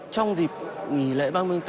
trong dịp nghỉ lễ ba mươi bốn